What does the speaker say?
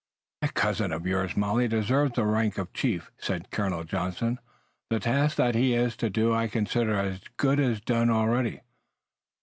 "That cousin of yours, Molly, deserves his rank of chief," said Colonel Johnson. "The task that he is to do I consider as good as done already.